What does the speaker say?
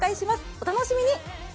お楽しみに！